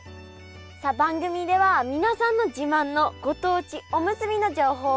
さあ番組では皆さんの自慢のご当地おむすびの情報をお待ちしております。